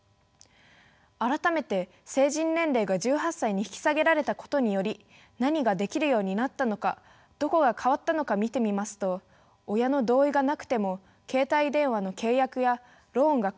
改めて成人年齢が１８歳に引き下げられたことにより何ができるようになったのかどこが変わったのか見てみますと親の同意がなくても携帯電話の契約やローンが組める。